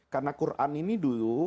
karena quran ini dulu